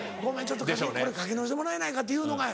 ちょっとこれ書き直してもらえないか」って言うのが。